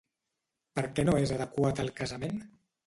Per què no és adequat el casament?